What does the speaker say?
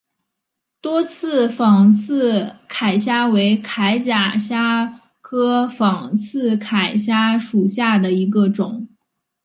多刺仿刺铠虾为铠甲虾科仿刺铠虾属下的一个种。